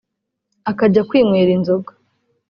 akajya kwinywera inzoga